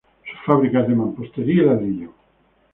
Su fábrica es de mampostería y ladrillo.